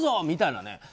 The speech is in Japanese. みたいなね。